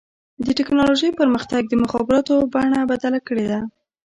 د ټکنالوجۍ پرمختګ د مخابراتو بڼه بدله کړې ده.